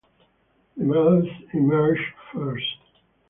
The males emerge first.